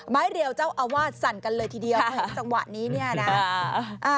เรียวเจ้าอาวาสสั่นกันเลยทีเดียวเห็นจังหวะนี้เนี่ยนะ